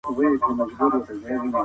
د توليد پروسه څه ده؟